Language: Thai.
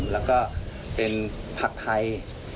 แล้วก็เป็นผักไทย